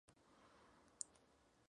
En urdú: نازیہ حسن.